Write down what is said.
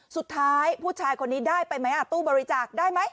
สุดท้ายผู้ชายคนนี้ได้ไปไหมตู้บริจาคได้ไหม